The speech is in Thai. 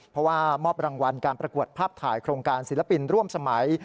เพราะว่ามอบรางวัลการประกวดภาพถ่ายโครงการศิลปินร่วมสมัย